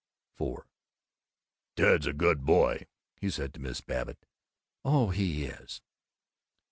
IV "Ted's a good boy," he said to Mrs. Babbitt. "Oh, he is!"